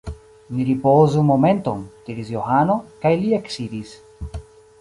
Ni ripozu momenton, diris Johano, kaj li eksidis.